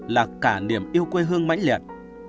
là cả niềm yêu quê hương mãnh liệt